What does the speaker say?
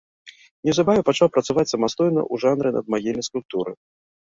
Неўзабаве пачаў працаваць самастойна ў жанры надмагільнай скульптуры.